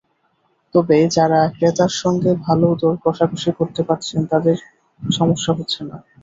তবে যাঁরা ক্রেতার সঙ্গে ভালো দর-কষাকষি করতে পারছেন, তাঁদের সমস্যা হচ্ছে না।